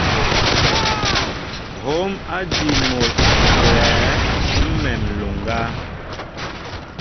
Hǒm ádí mol á nawyɛέ ḿmem nloŋga.